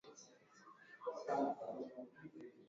lezea umuhimu wa mkutano huo